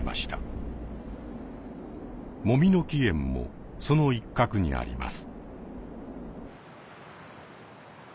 もみの木苑もその一角にあります。